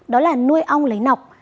đó là nuôi ong lấy nọc